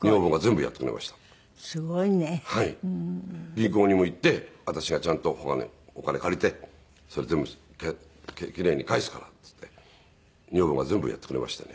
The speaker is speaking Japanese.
銀行にも行って「私がちゃんとお金借りてそれ全部奇麗に返すから」って言って女房が全部やってくれましてね。